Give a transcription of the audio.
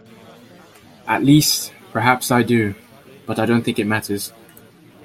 At least, perhaps I do, but I don't think it matters.